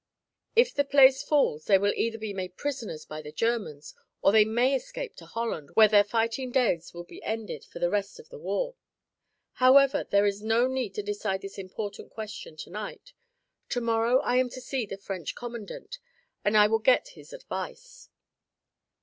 If the place falls they will either be made prisoners by the Germans or they may escape into Holland, where their fighting days will be ended for the rest of the war. However, there is no need to decide this important question to night. To morrow I am to see the French commandant and I will get his advice."